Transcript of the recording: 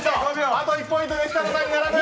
あと１ポイントで設楽さんに並ぶ。